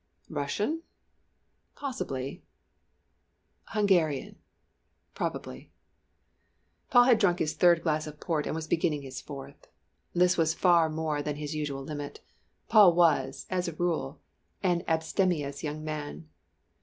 Russian? possibly. Hungarian? probably. Paul had drunk his third glass of port and was beginning his fourth. This was far more than his usual limit. Paul was, as a rule, an abstemious young man.